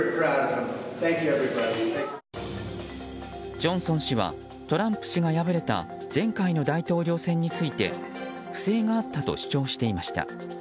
ジョンソン氏は、トランプ氏が破れた前回の大統領選について不正があったと主張していました。